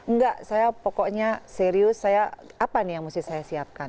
enggak saya pokoknya serius saya apa nih yang mesti saya siapkan